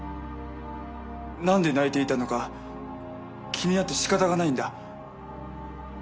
何で泣いていたのか気になってしかたがないんだ。